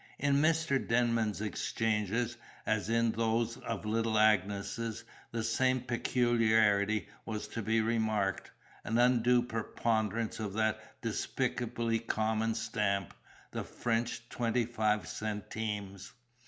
In Mr. Denman's exchanges, as in those of little Agnes, the same peculiarity was to be remarked, an undue preponderance of that despicably common stamp, the French twenty five centimes.